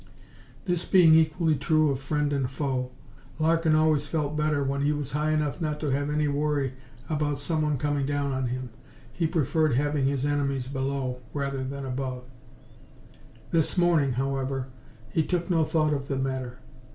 This being equally true of friend and foe, Larkin always felt better when he was high enough not to have any worry about someone coming down on him. He preferred having his enemies below rather than above. This morning, however, he took no thought of the matter.